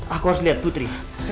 aku harus liat putri